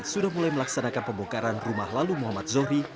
sudah mulai melaksanakan pembongkaran rumah lalu muhammad zohri